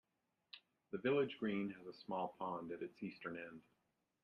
The village green has a small pond at its eastern end.